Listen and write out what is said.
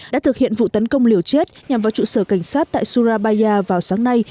đã thực hiện vụ tấn công liều chết nhằm vào trụ sở cảnh sát tại surabaya vào sáng nay